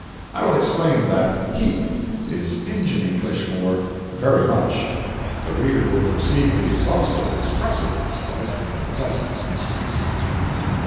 I will explain, that "heap" is "Injun English" for "very much." The reader will perceive the exhaustive expressiveness of it in the present instance.